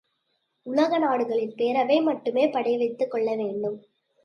உலக நாடுகளின் பேரவை மட்டுமே படைவைத்துக் கொள்ள வேண்டும்.